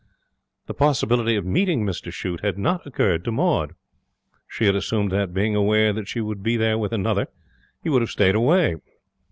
The possibility of meeting Mr Shute had not occurred to Maud. She had assumed that, being aware that she would be there with another, he would have stayed away.